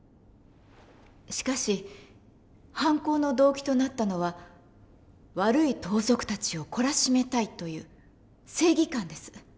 しかし犯行の動機となったのは悪い盗賊たちを懲らしめたいという正義感です。